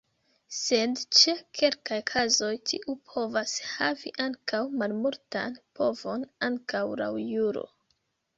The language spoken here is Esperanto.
Sed ĉe kelkaj kazoj tiu povas havi ankaŭ malmultan povon ankaŭ laŭ juro.